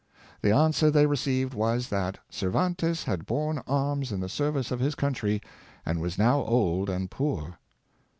The an swer they received was, that Cervantes had borne arms in the service of his country, and was now old and poor.